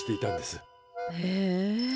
へえ。